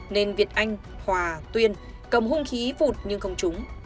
nên việt anh hòa tuyên cầm hung khí vụt nhưng không trúng